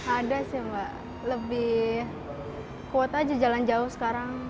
ada sih mbak lebih kuat aja jalan jauh sekarang